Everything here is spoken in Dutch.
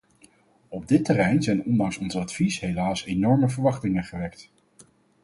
Op dit terrein zijn ondanks ons advies helaas enorme verwachtingen gewekt.